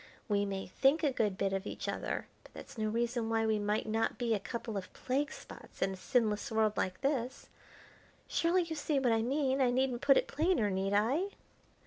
We may think a good bit of each other, but that's no reason why we might not be a couple of plague spots in a sinless world like this. Surely you see what I mean, I needn't put it plainer, need I?"